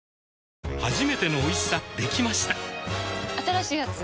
新しいやつ？